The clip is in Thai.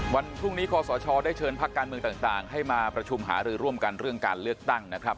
วันพรุ่งนี้คอสชได้เชิญพักการเมืองต่างให้มาประชุมหารือร่วมกันเรื่องการเลือกตั้งนะครับ